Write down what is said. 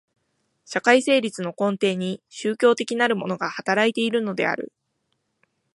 社会成立の根底に宗教的なるものが働いているのである。